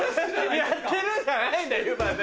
「やってる？」じゃないんだよ湯葉で。